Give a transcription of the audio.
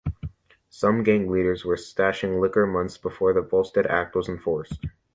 Some gang leaders were stashing liquor months before the Volstead Act was enforced.